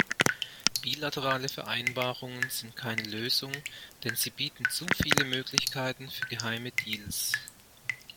Bilaterale Vereinbarungen sind keine Lösung, denn sie bieten zu viele Möglichkeiten für geheime Deals.